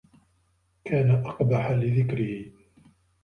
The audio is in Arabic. كَانَ أَقْبَحَ لِذِكْرِهِ